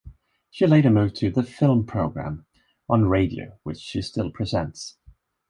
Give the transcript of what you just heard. She later moved to "The Film Programme" on radio, which she still presents.